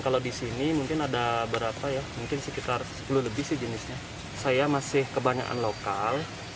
kalau di sini mungkin ada berapa ya mungkin sekitar sepuluh lebih sih jenisnya saya masih kebanyakan lokal